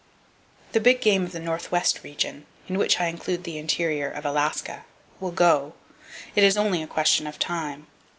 The big game of the northwest region, in which I include the interior of Alaska, will go! It is only a question of time.